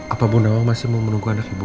apa bu nawang masih mau menunggu anak ibu